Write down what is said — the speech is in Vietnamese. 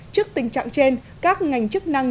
trước tình trạng trên các ngành chức năng